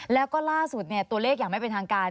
แล้วก็ล่าสุดตัวเลขอย่างไม่เป็นทางการ